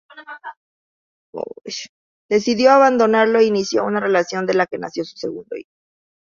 Decidió abandonarlo, e inició una relación de la que nació su segundo hijo.